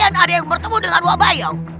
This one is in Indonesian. jangan pernah ada yang bertemu dengan wabayaw